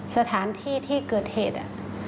สถานที่ที่เกิดเหตุ